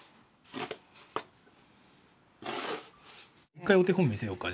一回お手本見せようか？